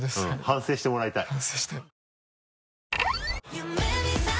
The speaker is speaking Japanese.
反省してもらいたい。